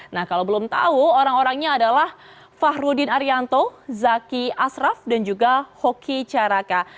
nah kalau belum tahu orang orangnya adalah fahrudin arianto zaki ashraf dan juga hoki caraka